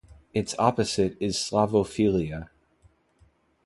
Its opposite is Slavophilia.